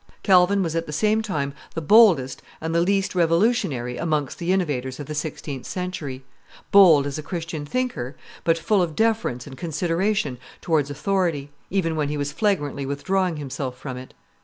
Calvin was at the same time the boldest and the least revolutionary amongst the innovators of the sixteenth century; bold as a Christian thinker, but full of deference and consideration towards authority, even when he was flagrantly withdrawing himself from it.